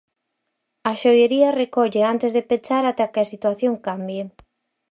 A xoiería recolle antes de pechar ata que a situación cambie.